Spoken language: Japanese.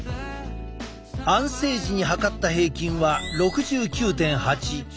安静時に測った平均は６９．８。